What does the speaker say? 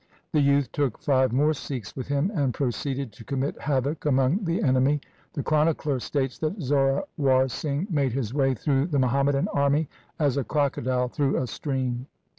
The youth took five more Sikhs with him and proceeded to commit havoc among the enemy. The chronicler states that Zorawar Singh made his way through the Muhammadan army as a crocodile through a stream.